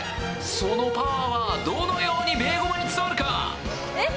そのパワーはどのようにベーゴマに伝わるか⁉えっ！